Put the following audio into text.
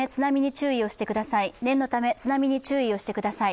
念のため、津波に注意をしてください。